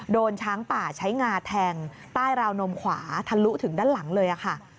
โดนช้างป่าใช้งาแทงใต้ราวนมขวาทะลุถึงด้านหลังเลยค่ะ